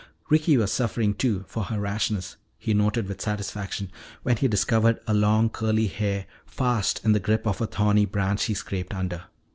Ricky was suffering, too, for her rashness he noted with satisfaction when he discovered a long curly hair fast in the grip of a thorny branch he scraped under.